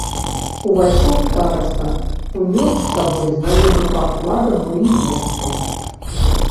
Увайшоў стараста, унёс з сабой знаёмы пах ладану й воску.